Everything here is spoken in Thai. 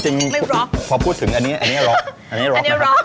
จริงพอพูดถึงอันนี้อันนี้ล็อกอันนี้ล็อกนะครับ